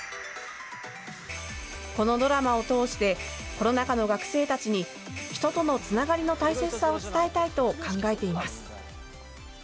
このドラマを通してコロナ禍の学生たちに人とのつながりの大切さを伝えたいと考えています。